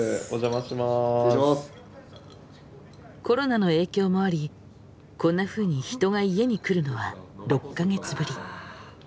コロナの影響もありこんなふうに人が家に来るのは６か月ぶり。